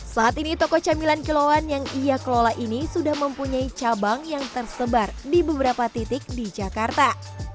saat ini toko camilan kilauan yang ia kelola ini sudah mempunyai cabang yang tersebar di beberapa titik di jakarta